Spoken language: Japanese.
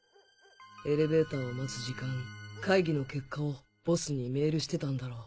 エレベーターを待つ時間会議の結果をボスにメールしてたんだろう。